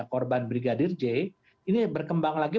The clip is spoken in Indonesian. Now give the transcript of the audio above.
korban brigadir j ini berkembang lagi